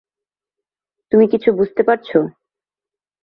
তুমি কিছু বুঝতে পারছ?